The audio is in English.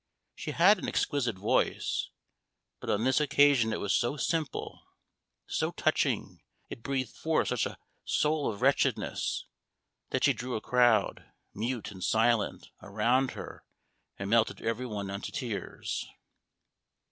She had an exquisite, voice; but on this occasion it was so simple, so touching, it breathed forth such a soul of wretchedness that she drew a crowd, mute and silent, around her and melted every one into tears.